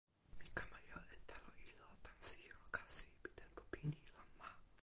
mi kama jo e telo ilo tan sijelo kasi pi tenpo pini lon ma.